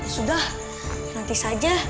sudah nanti saja